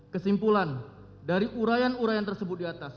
kesimpulan dari urayan urayan tersebut di atas